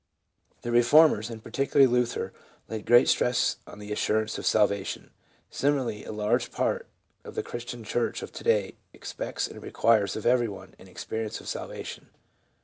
The Eeformers, and particularly Luther, laid great stress on the assurance of salvation. Similarly a large part of the Christian church of to day expects and requires of every one an experience of salvation.